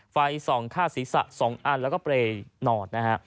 ไฟส่องฆ่าศีรษะ๒อันแล้วก็เปรย์นอนนะฮะ